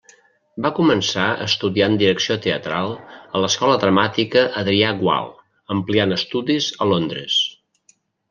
Va començar estudiant direcció teatral a l'Escola Dramàtica Adrià Gual, ampliant estudis a Londres.